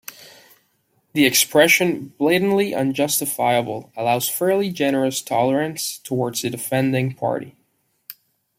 The expression "blatantly unjustifiable" allows fairly generous tolerance towards the defending party.